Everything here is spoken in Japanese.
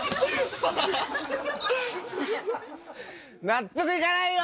納得いかないよ！